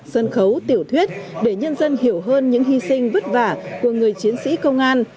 sân khấu tiểu thuyết để nhân dân hiểu hơn những hy sinh vất vả của người chiến sĩ công an